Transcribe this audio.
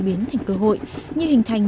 biến thành cơ hội như hình thành